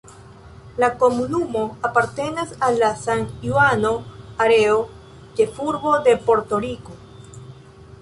La komunumo apartenas al la San-Juano areo, ĉefurbo de Porto-Riko.